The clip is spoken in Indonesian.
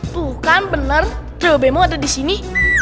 bukan bener coba mau ada di sini